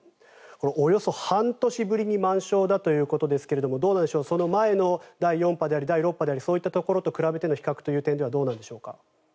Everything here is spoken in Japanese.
およそ半年ぶりに満床だということですがどうでしょう、その前の第４波であり第６波でありそういったところと比べての比較という点ではいかがでしょうか。